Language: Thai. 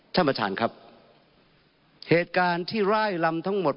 ท่านประธานครับเหตุการณ์ที่ร่ายลำทั้งหมด